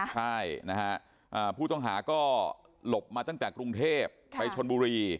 ใช่นะฮะผู้ต้องหาก็หลบมาตั้งแต่กรุงเทพไปชนบุรี